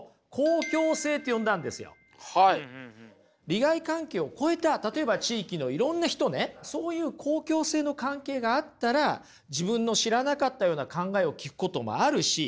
利害関係を超えた例えば地域のいろんな人ねそういう公共性の関係があったら自分の知らなかったような考えを聞くこともあるし。